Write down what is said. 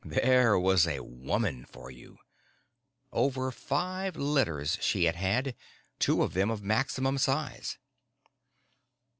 There was a woman for you! Over five litters she had had, two of them of maximum size.